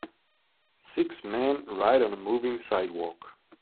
Six men ride on a moving sidewalk.